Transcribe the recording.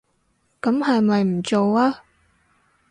噉係咪唔做吖